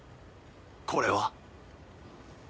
これは？